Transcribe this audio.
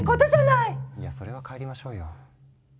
いやそれは帰りましょうよ。